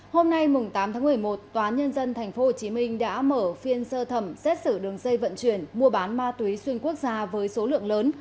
hôm nay tám tháng một mươi một tòa nhân dân tp hcm đã mở phiên sơ thẩm xét xử đường dây vận chuyển mua bán ma túy xuyên quốc gia với số lượng lớn